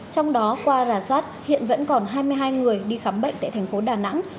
trong đó qua rà soát hiện vẫn còn hai mươi hai người đi khám bệnh tại thành phố đà nẵng